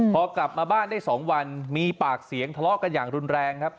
พอกลับมาบ้านได้๒วันมีปากเสียงทะเลาะกันอย่างรุนแรงครับ